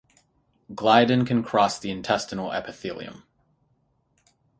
Gliadin can cross the intestinal epithelium.